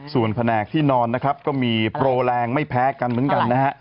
ส่วนแผนกที่นอนนะครับก็มีโปรแรงไม่แพ้กันเหมือนกันนะฮะ